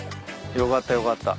よかったよかった。